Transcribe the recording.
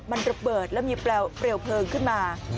มันระเบิดแล้วมีเปลวเพลิงขึ้นมา